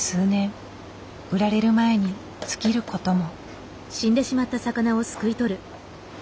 売られる前に尽きることも。